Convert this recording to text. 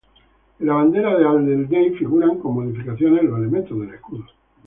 En la bandera de Alderney figuran, con modificaciones, los elementos del escudo.